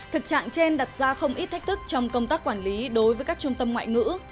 thực trạng trên đặt ra không ít thách thức trong công tác quản lý đối với các trung tâm ngoại ngữ